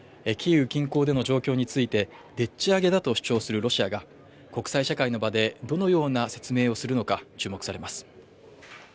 キーウ近郊での状況についてでっち上げだと主張するロシアが国際社会の場でどのような説明をするのか注目されます。